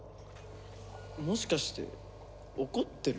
もしかして怒ってる？